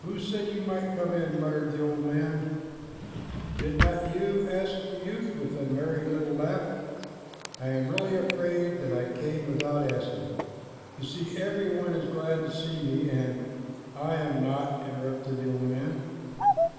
"Who said you might come in?" muttered the old man. "Did not you?" asked the youth, with a merry little laugh. "I am really afraid that I came without asking. You see, every one is glad to see me and" "I am not," interrupted the old man.